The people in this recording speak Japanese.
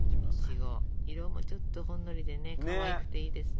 いちご色もちょっとほんのりでねかわいくていいですね。